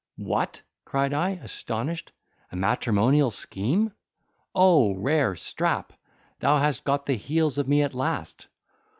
"What!" cried I, astonished, "a matrimonial scheme? O rare Strap! thou hast got the heels of me at last."